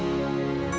kalaustudio panggil the